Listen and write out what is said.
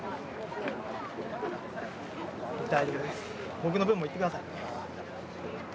僕の分も行ってください。